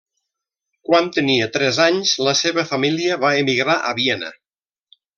Quan tenia tres anys la seva família va emigrar a Viena.